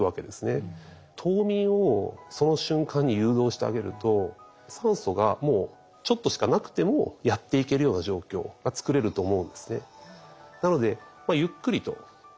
冬眠をその瞬間に誘導してあげると酸素がもうちょっとしかなくてもやっていけるような状況がつくれると思うんですね。